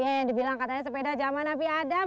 ya yang dibilang katanya sepeda zaman nabi adam